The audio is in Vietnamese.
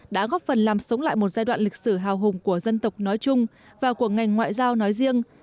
đã góp phần làm sống lại một giai đoạn lịch sử hào hùng của dân tộc nói chung và của ngành ngoại giao nói riêng